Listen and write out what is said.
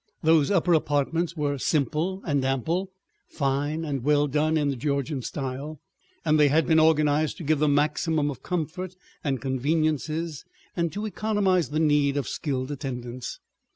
Those upper apartments were simple and ample, fine and well done in the Georgian style, and they had been organized to give the maximum of comfort and conveniences and to economize the need of skilled attendance.